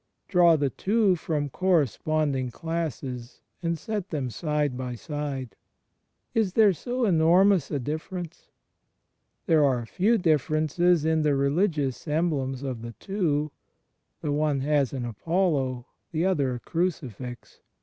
Draw the two from corresponding classes and set them side by side. Is there so enormous a difference? There are a few differences in the religious emblems of the two. The one has an Apollo; the other a Crucifix.